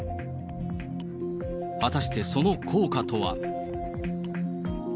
果たしてその効果とは。